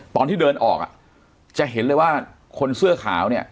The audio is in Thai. ตอนที่เดินออกอ่ะจะเห็นเลยว่าคนเสื้อขาวเนี่ย